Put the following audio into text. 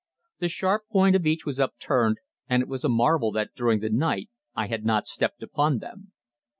The sharp point of each was upturned, and it was a marvel that during the night I had not stepped upon them.